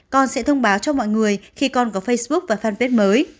con sẽ thông báo cho mọi người khi con có facebook và fanpage mới